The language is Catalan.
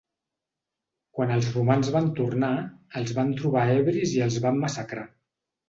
Quan els romans van tornar, els van trobar ebris i els van massacrar.